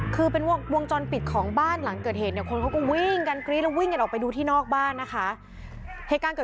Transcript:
คือเป็นว่าวงจรปิดของบ้านที่จะได้ยินเสียงกรี๊ดเสียงตะโกนด่าได้ยินเสียงเร่งเครื่องด้วยนะคะ